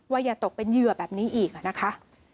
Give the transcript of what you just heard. อย่าตกเป็นเหยื่อแบบนี้อีกนะคะ